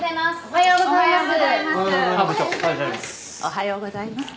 おはようございます。